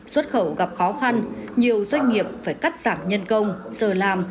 xuất khẩu gặp khó khăn nhiều doanh nghiệp phải cắt giảm nhân công giờ làm